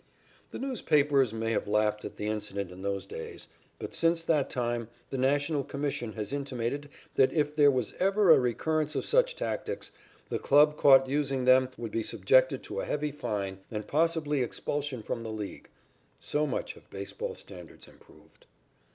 The newspapers may have laughed at the incident in those days, but since that time the National Commission has intimated that if there was ever a recurrence of such tactics, the club caught using them would be subjected to a heavy fine and possibly expulsion from the League. So much have baseball standards improved.